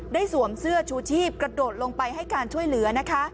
สวมเสื้อชูชีพกระโดดลงไปให้การช่วยเหลือนะคะ